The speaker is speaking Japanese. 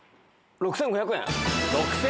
６５００円。